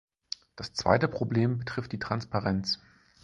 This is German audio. Das zweite Problem betrifft die Transparenz.